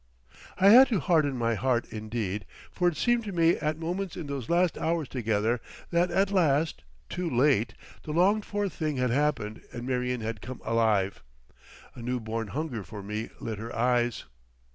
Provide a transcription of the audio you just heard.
I had to harden my heart indeed, for it seemed to me at moments in those last hours together that at last, too late, the longed for thing had happened and Marion had come alive. A new born hunger for me lit her eyes.